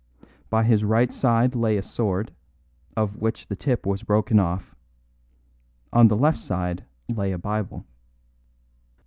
By his right side lay a sword, of which the tip was broken off; on the left side lay a Bible.